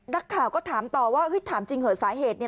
นักข่าวก็ถามต่อว่าเฮ้ยถามจริงเหอะสาเหตุ